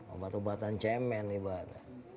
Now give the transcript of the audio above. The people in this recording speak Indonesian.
obat obatan cemen ibadat